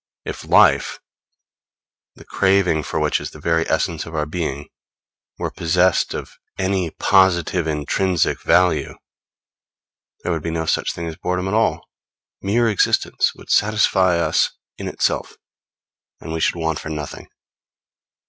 If life the craving for which is the very essence of our being were possessed of any positive intrinsic value, there would be no such thing as boredom at all: mere existence would satisfy us in itself, and we should want for nothing.